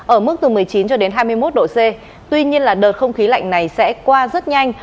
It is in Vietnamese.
ở mức từ một mươi chín cho đến hai mươi một độ c tuy nhiên là đợt không khí lạnh này sẽ qua rất nhanh